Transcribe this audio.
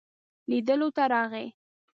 لیدلو ته راغی.